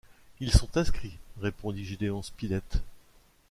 Ils sont inscrits, répondit Gédéon Spilett.